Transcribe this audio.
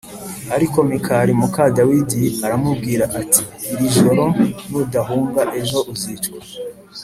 l Ariko Mikali muka Dawidi aramubwira ati iri joro nudahunga ejo uzicwa